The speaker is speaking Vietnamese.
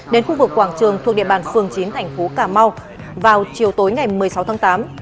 đến khu vực quảng trường thuộc địa bàn phường chín tp cm vào chiều tối ngày một mươi sáu tháng tám